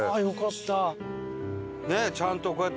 ねえちゃんとこうやって。